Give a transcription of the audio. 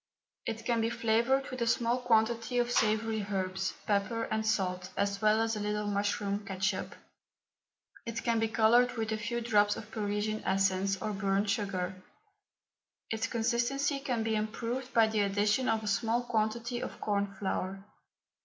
It can be flavoured with a small quantity of savoury herbs, pepper, and salt, as well as a little mushroom ketchup. It can be coloured with a few drops of Parisian essence, or burnt sugar. Its consistency can be improved by the addition of a small quantity of corn flour.